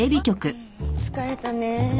疲れたねぇ。